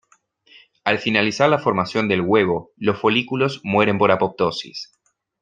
Al finalizar la formación del huevo, los folículos mueren por apoptosis.